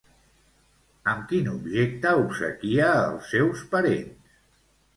Amb quin objecte obsequia els seus parents?